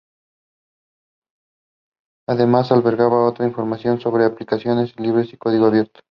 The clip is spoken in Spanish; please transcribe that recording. Además, alberga otras informaciones sobre aplicaciones libres y de código abierto.